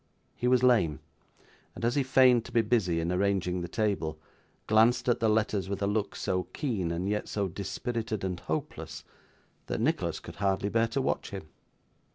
He was lame; and as he feigned to be busy in arranging the table, glanced at the letters with a look so keen, and yet so dispirited and hopeless, that Nicholas could hardly bear to watch him.